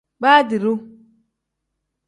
Baadiru.